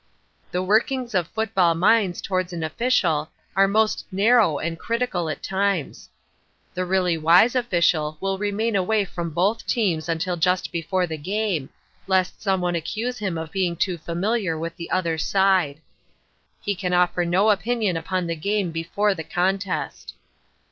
The workings of football minds towards an official are most narrow and critical at times. The really wise official will remain away from both teams until just before the game, lest some one accuse him of being too familiar with the other side. He can offer no opinion upon the game before the contest.